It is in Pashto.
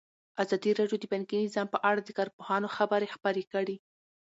ازادي راډیو د بانکي نظام په اړه د کارپوهانو خبرې خپرې کړي.